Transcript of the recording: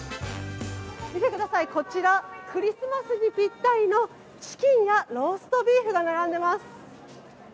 見てください、こちらクリスマスにぴったりのチキンやローストビーフが並んでいます。